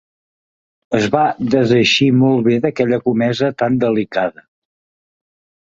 Es va deseixir molt bé d'aquella comesa tan delicada.